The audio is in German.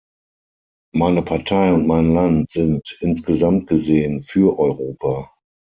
Meine Partei und mein Land sind, insgesamt gesehen, für Europa.